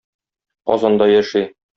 Казанда яши.